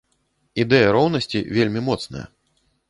Ідэя роўнасці вельмі моцная.